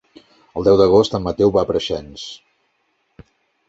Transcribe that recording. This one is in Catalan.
El deu d'agost en Mateu va a Preixens.